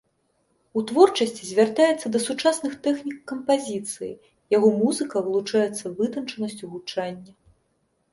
У творчасці звяртаецца да сучасных тэхнік кампазіцыі, яго музыка вылучаецца вытанчанасцю гучання.